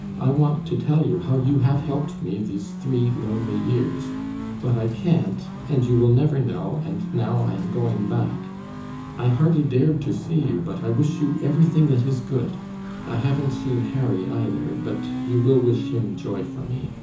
I want to tell you how you have helped me these three lonely years, but I can't, and you will never know, and now I am going back. I hardly dared to see you, but I wish you everything that is good. I haven't seen Harry either, but you will wish him joy for me.